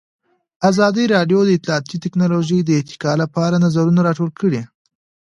ازادي راډیو د اطلاعاتی تکنالوژي د ارتقا لپاره نظرونه راټول کړي.